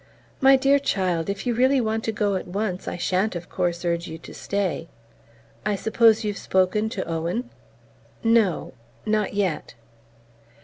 "My dear child, if you really want to go at once I sha'n't, of course, urge you to stay. I suppose you have spoken to Owen?" "No. Not yet..."